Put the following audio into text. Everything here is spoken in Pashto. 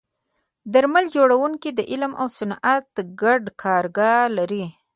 درمل جوړونکي د علم او صنعت ګډه کارګاه لري.